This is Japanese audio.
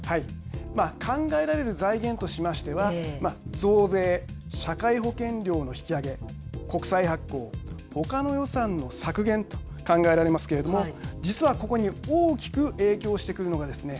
考えられる財源としましては増税、社会保険料の引き上げ国債発行、ほかの予算削減と考えられますけれども実はここに大きく影響してくるのがですね